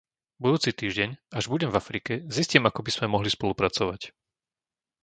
Budúci týždeň, až budem v Afrike, zistím, ako by sme mohli spolupracovať.